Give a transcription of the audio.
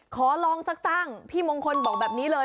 ขอลองสักตั้งพี่มงคลบอกแบบนี้เลย